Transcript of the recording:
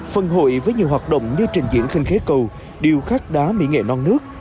phần hội với nhiều hoạt động như trình diễn khinh khí cầu điều khắc đá mỹ nghệ non nước